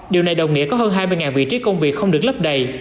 điều này đồng nghĩa có hơn hai mươi vị trí công việc không được lấp đầy